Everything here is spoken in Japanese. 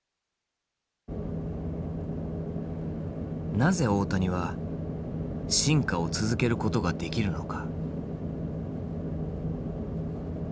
なぜ大谷は進化を続けることができるのか。